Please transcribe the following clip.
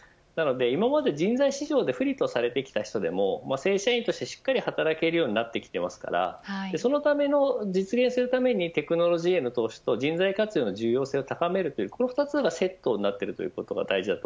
今まで人材市場で不利とされてきた人も正社員として、しっかり働けるようになっていますからそのための実現するためにテクノロジーへの投資と人材への価値を高めるという２つがセットになります。